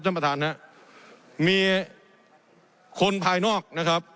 ท่านประธานฮะมีคนภายนอกนะครับ